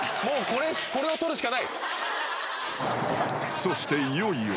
もうこれを取るしかない！